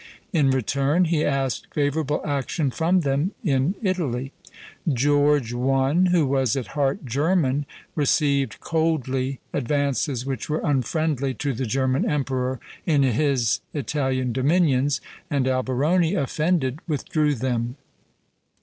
In return, he asked favorable action from them in Italy. George I., who was at heart German, received coldly advances which were unfriendly to the German emperor in his Italian dominions; and Alberoni, offended, withdrew them.